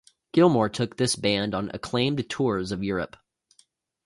Gilmore took this band on acclaimed tours of Europe.